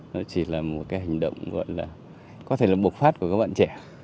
nó chỉ là một cái hành động gọi là có thể là bộc phát của các bạn trẻ